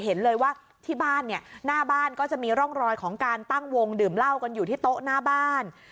เห็นเลยว่าที่บ้านเนี่ยหน้าบ้านก็จะมีร่องรอยของการตั้งวงดื่มเหล้ากันอยู่ที่โต๊ะหน้าบ้าน